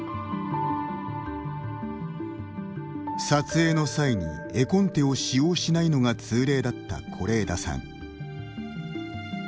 撮影の際に絵コンテを使用しないのが通例だった是枝さん。